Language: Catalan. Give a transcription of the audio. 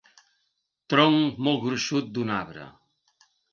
Tronc molt gruixut d'un arbre.